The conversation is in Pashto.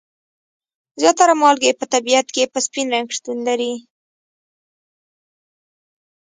زیاتره مالګې په طبیعت کې په سپین رنګ شتون لري.